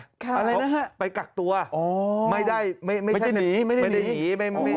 อะไรนะฮะไปกักตัวไม่ได้หนีไม่ได้หนี